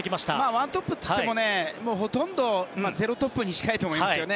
１トップといってもほとんど０トップに近いと思いますよね。